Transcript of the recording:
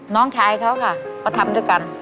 น้องชายเขาค่ะเขาทำด้วยกัน